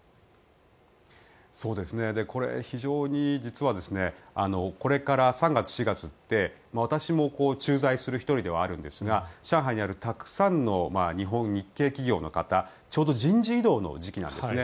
これ、非常に実はこれから３月、４月って私も駐在する１人ではあるんですが上海にあるたくさんの日系企業の方ちょうど人事異動の時期なんですね。